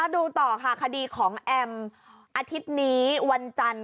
ดูต่อค่ะคดีของแอมอาทิตย์นี้วันจันทร์